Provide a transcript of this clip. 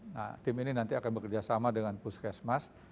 nah tim ini nanti akan bekerja sama dengan puskesmas